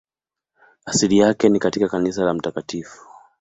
Asili yake ni katika kanisa la Mt.